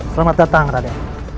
selamat datang raden